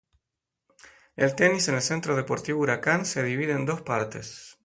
El tenis en el Centro Deportivo Huracán se divide en dos partes.